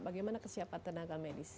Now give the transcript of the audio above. bagaimana kesiapan tenaga medis